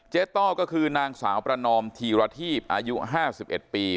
เจ๊ต้อก็คือนางสาวประนอมธีราทีก์อายุภาษาบันดาลกรุณอัคษี๑๑ปี